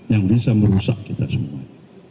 yang bisa merusak kita semua